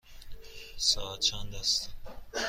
ساعت چند است؟